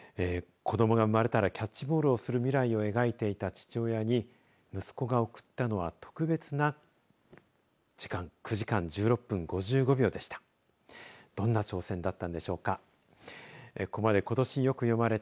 子どもが生まれたらキャッチボールをする未来を描いていた父親に息子が贈ったのは特別な時間９時間１６分５５秒でした。